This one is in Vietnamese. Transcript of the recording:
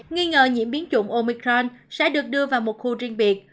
nghi ngờ nhiễm biến chủng omicron sẽ được đưa vào một khu riêng biệt